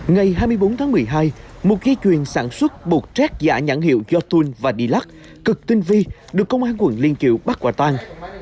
ngày hai mươi bốn tháng một mươi hai một ghi chuyền sản xuất bột trét giả nhãn hiệu jotun và dilac cực tinh vi được công an quận liên kiều bắt quả toàn